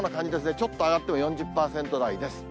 ちょっと上がっても４０％台です。